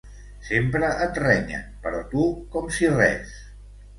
Sempre et renyen, però tu, com si res.